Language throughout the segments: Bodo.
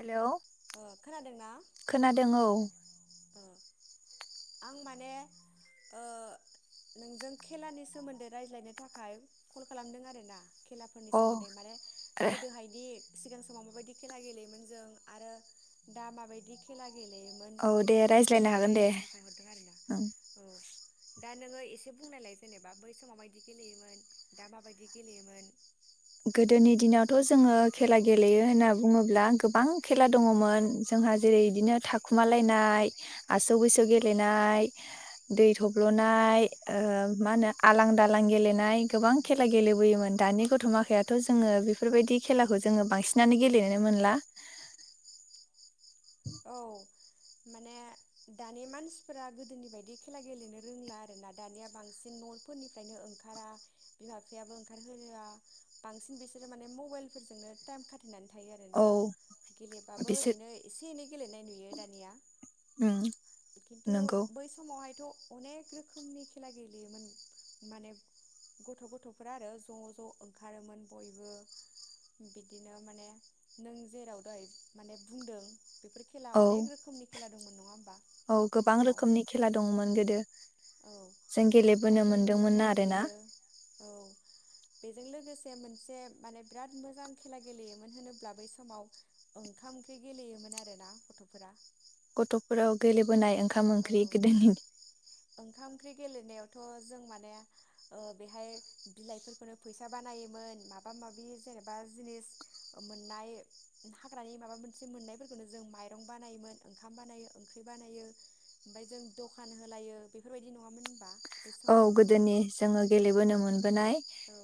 हेल' खोनादोंना? आं माने ओ नोंजों खेलानि सोमोन्दै रायज्लायनो थाखाय कल खालामदों आरो ना। खेलाफोरनि औ सोमोन्दै अ माने आरो गोदोहायदि सिगां समाव माबायदि खेला गेलेयोमोन जों आरो दा माबायदि खेला गेलेयोमोन औ दे बेफोरनि रायज्लायनो सोमोन्दै हागोन दे रायजलायनो थाखाय हरदों आरोना ओं। औ दा नोङो एसे बुंनायलाय जेनेबा बै सम माबायदि गेलेयोमोन दा माबायदि गेलेयोमोन गोदोनि दिनावथ जोङो खेला गेलेयो होनना बुङोब्ला गोबां खेला दङमोन जोंहा जेरै बिदिनो थाखुमालायनाय आसौ बैसो गेलेनाय दै थब्लनाय ओ मा होनो आलां दालां गेलेनाय गोबां खेला गेलेबोयोमोन दानि गथमा याथ जोङो बेफोरबायदि खेलाखौ जोङो बांसिनानो गेलेनो मोनला औ माने दानि मानसिफोरा गोदोनि बायदि खेला गेलेनो रोंला आरोना दानिया बांसिन नफोरनिफ्रायनो ओंखारा बिमा बिफायाबो ओंखारहोआ बांसिन बिसोरो माने मबाइल फोरजोंनो टाइम खाथेनानै थायो आरोना औ गेलेबाबो बिसोर ओरैनो एसे एसे एनै गेलेनाय नुयो दानिया उम खिन्थु नंगौ बै समावहायथ अनेक रोखोमनि खेला गेलेयोमोन माने गथ गथफोरा आरो ज ज ओंखारोमोन बयबो बिदिनो माने नों जेराव दहाय माने बुंदों बेफोर खेला औ अनेक रोखोमनि खेला दंमोन नङा होमबा औ बै गोबां समाव रोखोमनि खेला दंमोन गोदो औ जों गेलेबोनो अन्थाइफोरनिबो मोनदोंमोन खेला आरोना गेलेयो औ बेजों लोगोसे मोनसे माने बिराद मोजां खेला गेलेयोमोन होनोब्ला बै समाव ओंखाम ओंख्रि गेलेयोमोन आरो आरोना गथफोरा गथफोराव गेलेबोनाय ओंखाम ओंख्रि औ गोदनि ओंखाम ओंख्रि गेलेनायावथ जों माने ओ बेहाय बिलाइफोरखौनो फैसा बानायोमोन माबा माबि जेनेबा जिनिस मोननाय हाग्रानि माबा मोनसे मोननायफोरखौनो जों माइरं बानायोमोन ओंखाम बानायो ओंख्रि बानायो ओमफ्राय जों दखान होलायो बेफोरबायदि नङामोन होनबा बै औ समाव गोदोनि जोङो गेलेबोनो उम मोनबोनाय औ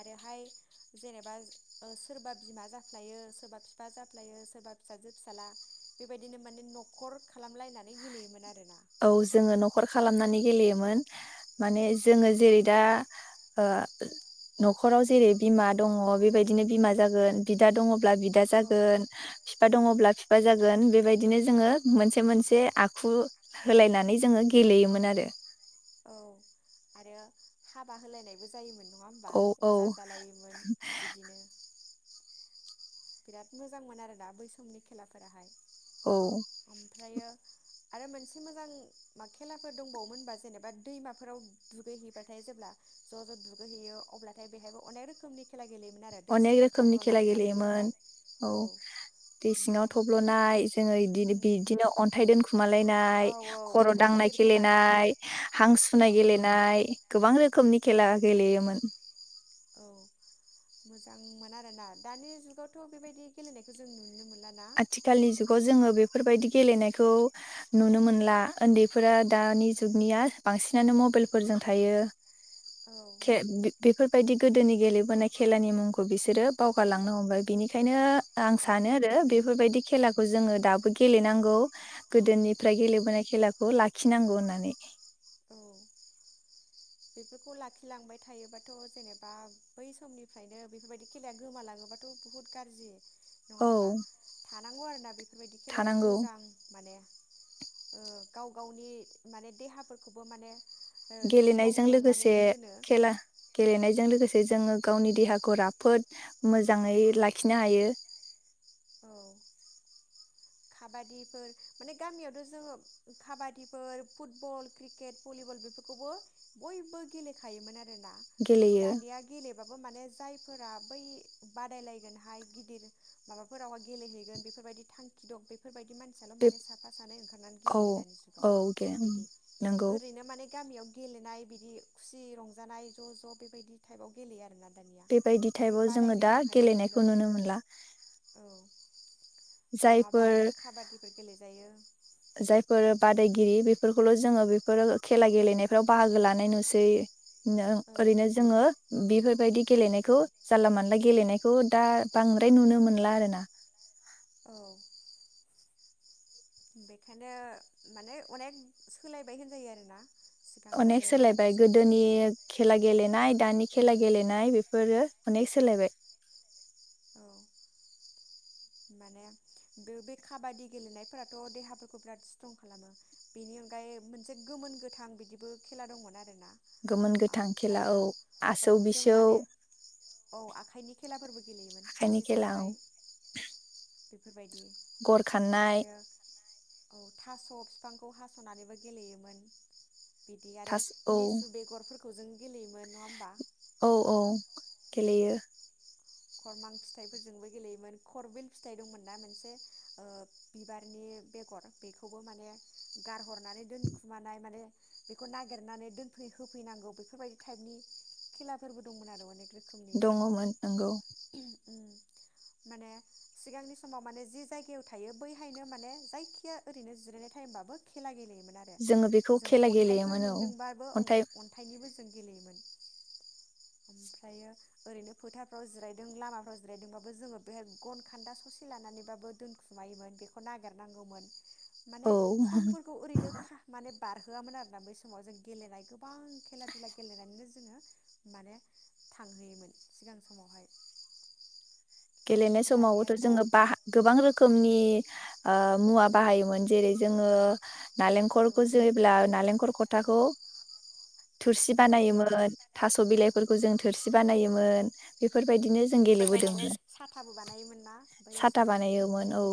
आरोहाय जेनेबा सोरबा बिमा जाफ्लायो सोरबा बिफा जाफ्लायो सोरबा फिसाजो फिसााजला बेबायदिनो माने नखर खालामलाय नानै गेलयोमोन आरो ना औ जोङो नखर खालामनानै गेलेयोमोन माने जोङो दा ओ नखराव जेरै बिमा दङ बेबायदिनो बिमा जागोन बिदा दङ ब्ला बिदा औ जागोन फिफा दङब्ला जागोन बेबायदिनो जोङो मोनसे मोनसे आखु होलायनानै जोङो गेलेयोमोन आरो औ आरो हाबा होलायनायबो जायोमोन नङा होमबा औ औ अजा जालायोमोन बिदिनो बिराद मोजांमोन आरोना बै समनि खेलाफोराहाय औ ओमफ्रायो आरो मोनसे मोजां मा खेलाफोर दंबावोमोनबा जेनेबा दैमाफोराव दुगैहैबाथाय जेब्ला ज' ज' दुगैहैयो अब्लाथाय बेहायबो अनेक रोखोमनि खेला गेलेयोमोन आरो दै अनेक सिङाव रोखोमनि खेला थब्ल'नानै गेलेयोमोन थाखुमानाय औ दै सिङाव ओमफ्राय थब्ल'नाय जोङो बिदिनो उम बिदिनो अन्थाइ दोनखुमालायनाय औ औ खर' अन्थाइ दांनाय गिदिरखौ लानानै गेलेनाय हां औ सुनाय गेलेनाय गोबां रोखोमनि खेला गेलेयोमोन औ मोजांमोन आरोना दानि जुगावथ' बेबायदि गेलेनायखौ जों नुनो मोन आथिखालनि जुगाव जोङो बेफोरबायदि गेलेनायखौ नुनो मोनला उन्दैफोरा दानि जुगनिया बांसिनानो मबाइलफोरजों थायो। औ खे बे बेफोरबायदि गोदोनि गेलेबोनाय खेलानि मुंखौ बिसोरो बावगारालांनो हमबाय बिनिखायनो आं औ सानो आरो बे बेदि खेलाखौ जोङो दाबो गेलेनांगौ गोदोनिफ्राय उम गेलेबोनाय खेलाखौ ला खिनांगौ होननानै [unintelligible] नङा औ होमबा थानांगौ आरो ना बेफोरबायदि खेलायाबो थानांगौ मोजां माने ओ गाव गावनि माने देहाफोरख खौबो माने गेलेनायजों खालामनानै लोगोसे दोनो खेला गेलेनायजों लोगोसे जोङो गावनि देहाखौ राफोद मोजाङै लाखिनो हायो। औ काबादिफोर माने गामियावथ' जोङो काबादिफोर फुटबल क्रिकेट भलिबल बेफोरखौबो बयबो गेलेखायोमोन आरो। आरोना गेलेयो दानिया गेलेबा माने जायफोरा बै बादायलायगोन हाय गिदिर माबा फोरावहा गेलेहैगोन बेफोरबायदि थांखि दं बेफोरबायदि मानसियाल' बे माने साफा सानै ओंखारनानै औ गेलेयो दानि जुगाव औ गे बिदि नंगौ ओरैनो माने गामियाव गेलेनाय बिदि खुसि रंजानाय ज' ज' बेबायदि टाइपआव गेलेयो आरोना दानिया बेबायदि बै टाइपाव जोङो बादायनो दा थाखायल' बिदिल' गेलेनायखौ नुनो मोनला औ नङाबा जायफोर खाबादिफोर गेले जायो जायफोर बादायगिरि बेफोरखौल' जोङो बेफोरो खेला गेलेनायफ्राव बाहागो लानाय नुसै नों औ ओरैनो जोङो बेफोरबायदि गेलेनायखौ जानला मानला गेलेनायखौ दा बांद्राय नुनो मोनला आरोना औ बेखायनो माने अनेक सोलायबाय होनजायो आरोना अनेक सिगांनिजों सोलायबाय दानिजों गोदोनि खेला गेलेनाय दानि खेला गेलेनाय बेफोरो अनेक सोलायबाय औ माने बे बे खाबादि गेलेनायफोराथ देहाफोरखौ बिराद स्ट्रं खालामो बेनि अनगायै मोनसे गोमोन गोथां बिदिबो खेला दंमोन आरो ना गोमोन गोथां खेला औ आसौ-बिसौ आखायनि खेलाफोरबो गेलेयोमोन आसि साननाय बेफोरबाय गर खाननाय औ थास फिफांखौ हास नानैबो गेलेयोमोन बिदि आरो थास औ लिसु बेगरफोरखौ जों गेलेयोमोन नङा होमबा औ-औ गेलेयो खरमां फिथाइफोरजोंबो गेलेयोमोन खरबिल फिथाइ दंमोन ना मोनसे ओ बिबारनि बेगर बेखौबो माने गारहरनानै दोनखुमानाय माने बेखौ नागिरनानै दोनफै होफैनांगौ बेफोरबायदि टाइपनि खेलाफोरबो दंमोन आरो अनेक रोखोमनि दङमोन नोंगौ। उम। माने सिगांनि समाव माने जि जायगायाव थायो बैहायनो माने जायखिया ओरैनो जिरायनाय टाइमबाबो खेला गेलेयो मोन आरो जोङो बेखौ जों खेला अन्थायफोर गेलेयोमोन औ मोनदोंबाबो ओं अन्थाइ अन्थायनिबो जों गेलेयोमोन ओमफ्रायो ओरैनो फोथारफ्राव जिराय नों लामाफ्राव जिरायदोंबाबो जोङो बे गन खान्दा ससे लानानैबाबो दोनखुमायोमोन बेखौ नागिरनांगौमोन। माने औ समफोरखौ ओरैनो खा माने बारहोआमोन आरोना बै समाव जों गेलेनाय गोबां खेला धुला गेलेनानैनो जोङो माने थांहोयोमोन सिगां समावहाय। गेलेनाय समावबोथ' दानियाथ' औ जोङो बा गोबां रोखोमनि ओ मुवा बाहायोमोन जेरै जोङो नालेंखलखौ जोयोब्ला नालेंखरखौ थाखौ थुरसि औ औ बानायोमोन थास' बिलाइ फोरखौ जों थोरसि बानायोमोन बेफोरबायदिनो जों साथाबो गेलेबोदोंमोन। साथाबो बानायोमोन ना? बै साथा समाव बानायोमोन औ माबाखौ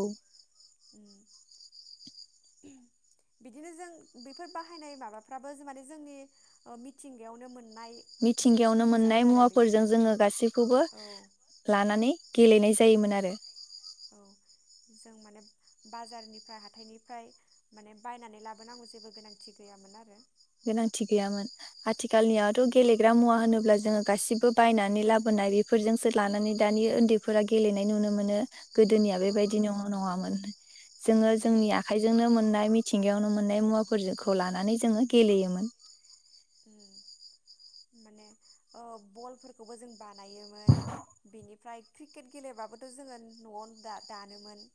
बिदिनो जों बेफोर बाहायनाय माबाफ्राबो माने जोंनि मिथिंगायावनो मोन मिथिंगायावनो मोननाय मुवाफोरजों जोङो गासैखौबो औ लानानै गेलेनाय जायोमोन आरो औ जों माने बाजारनिफ्राय हाथायनिफ्राय माने बायनानै लाबोनांगौ जेबो गोनांथि गैयामोन आरो गोनांथि गैयामोन औ आथिखालनियावथ' गेलेग्रा मुवा होनोब्ला जोङो गासिबो बायनानै लाबोनाय बेफोरजोंसो लानानै दानि ओन्दैफोरा गेलेनाय नुनो मोनो। गोदोनिया औ बेबायदि न' नङामोन। जोङो औ जोंनि आखाइजोंनो मोननाय थिंगायावनो मोननाय मुवाफोरखौ लानानै जोङो गेलेयोमोन। माने बलफोरखौबो जों बानाय मोन बिनिफ्राय क्रिकेट गेलेबाबोथ' जोङो न'आवनो दा-दानोमोन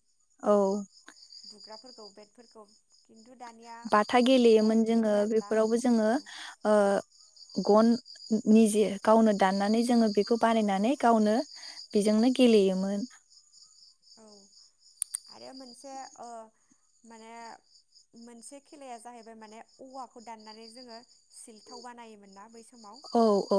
औ। बुग्राफोरखौ बेदफोरखौ बाथा गेलेयोमोन जोङो दानला बेफोरावबो जोङो औ ओ गन निजे गावनो दाननानै जोङो बेखौ बानायनानै गावनो बेजोंनो गेलेयोमोन। औ आरो मोनसे ओ माने मोनसे खेलाया जाहैबाय माने औवाखौ दाननानै जोङो सिलथाव बानायोमोन ना बै समाव औ औ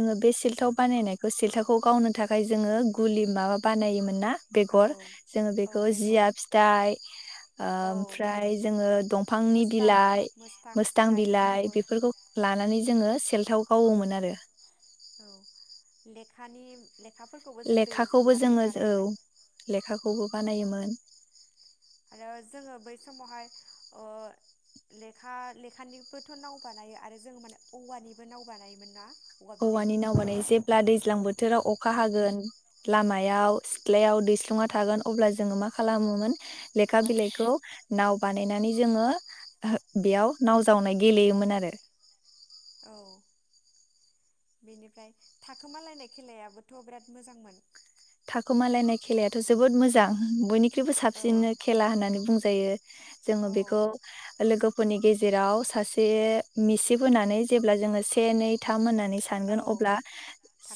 उम बे सिल्थाव बानायनाय सेल्थाखौ गावनो थाखाय जोङो गुलि माबा बानायोमोन ना औ बेगर जोङो औ बेखौ जिया बेगर फिथाइ ओ औ ओमफ्राय जोङो दंफांनि मोसथां बिलाइ मोसथां मोस्थां फिथाइ बिलाइ बेफोरखौबो बेफोरखौ लानानै उम जोङो। गावोमोन आरो औ लेखानि लेखाफोरखौबो जों दैयाव लेखाखौबो सोमनानै जोङो औ बानायोमोन लेखाखौबो औ बानायोमोन आरो जोङो बै समावहाय ओ लेखा लेखानिबोथ' नाव बानायो आरो जोंङो माने औवानिबो नाव बानायोमोन ना? औवा औवानि बिलाइनि नावानाय जेब्ला दैज्लां बोथोराव अखा उम हागोन लामा हायाव सिथ्लायाव दैस्लुं थागोन अब्ला जोङो मा खालामोमोन। लेखा बिलाइखौ नाव बानायनानै जोंङो बेयाव नाव जावनाय गेलेयोमोन आरो औ बेनिफ्राय थाखोमालायनाय खेलायाबोथ' बिराद मोजांमोन थाखोमालायनाय खेलायाथ' जोबोद मोजां बयनिख्रुइबो औ साबसिननो खेला होननानै बुंजायो। जोङो बेखौ औ लोगो फोरनि गेजेराव सासे मिसिब होनानै जेब्ला जोङो से नै थाम होननानै औ सानगोन अब्ला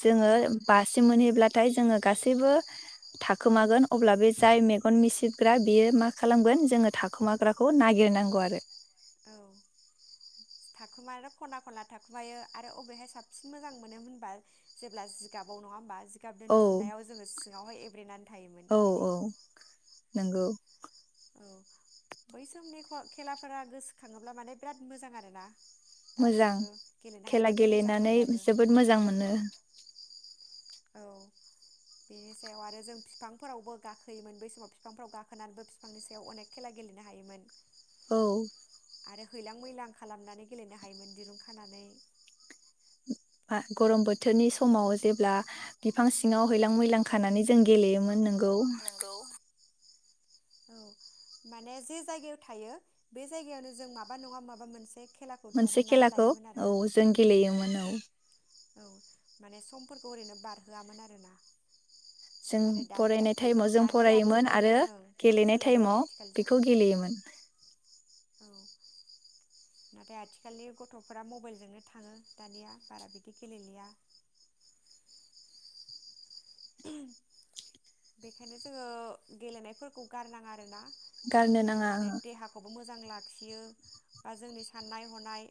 जोङो बासे मोनहैब्ला नाथाय जोङो गासैबो थाखोमागोन अब्ला बे जाय मेगन मिसिबग्रा बेयो मा खालामगोन जोङो थाखोमाग्राखौ नागिरनांगौ आरो औ थाखुमायाथ' खना खनला थाखुमायो आरो अबेहाय साबसिन मोजां मोनो होनबा जेब्ला जिगाबाव नङा होमबा गाब औ दोनथुमनायाव जोङो सिङावहाय एब्रेनानै थायोमोन औ बिदि औ नंगौ औ बै समनि खेलाफोरा गोसोखाङोब्ला माने बिराद मोजां आरो ना? मोजां खेला मोजांमोन गेलेनानै दाबो जोबोद मोजां मोनो औ बेनि सायाव आरो जों बिफांफोरावबो गाखोयोमोन बै समाव बिफांफोराव गाखोनानैबो बिफांनि सायाव अनेख खेला गेलेनो हायोमोन। औ हैलां मैलां खालामनानै गेलेनो हायोमोन दिरुं खानानै। गरम बोथोरनि समाव जेब्ला बिफां सिङाव हैलां मैलां खानानै जों गेलेयोमोन नों औ औ माने जे जायगायाव थायो बे जायगायावनो जों माबा नङा माबा मोनसे खेलाखौ मोनसे दिहुननानै खेलाखौ लायोमोन आरो औ जों गेलेयोमोन औ औ औ माने समफोरखौ ओरैनो बारहोआमोन आरोना। जों नाथाय दानि फरायनाय टाइमाव जों दानि फरायोमोन आथिखालनि आरो ओं गेलेनाय सोलायबाय आरो टाइमाव आथिखालजों बेखौ गेलेयोमोन। औ नाथाय आथिखालनि गथ'फोरा मबाइलजोंनो थाङो दानिया बारा बिदि गेलेलिया बेखायनो जोङो गेलेनायफोरखौ गारनाङा आरोना गारनो जोंनि नाङा माने देहाखौबो मो मोजां लाखियो बा जोंनि साननाय हनाय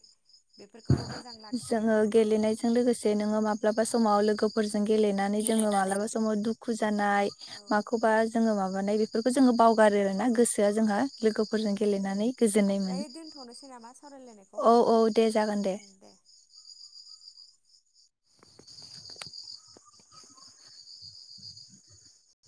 बेफोरखौबो मोजां लाखियो जोङो गेलेनायजों लोगोसे नोङो माबा। माब्लाबा समाव लोगोफोरजों। गेलेनानै जोङ माबा समाव दु दुखु जानाय औ माखौबा जोो माबानाय बे खौ जोङो बावगारो औ आरोना गोसोआ जोंहा ओ लोगोफोरजों ओ गेलेनानै गोजोननाय ओमफ्राय मोनो। दोनथ'नोसै नामा सावरायलायनायखौ औ औ दे जागोन दे।